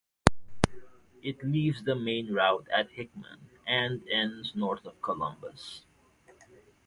It leaves the main route at Hickman and ends north of Columbus.